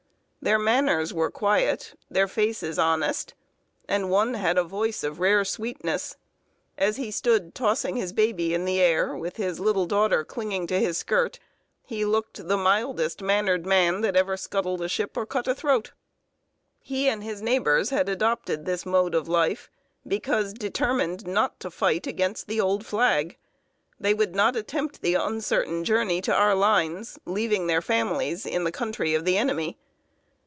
Their manners were quiet, their faces honest, and one had a voice of rare sweetness. As he stood tossing his baby in the air, with his little daughter clinging to his skirt, he looked "the mildest mannered man, That ever scuttled ship or cut a throat." He and his neighbors had adopted this mode of life, because determined not to fight against the old flag. They would not attempt the uncertain journey to our lines, leaving their families in the country of the enemy.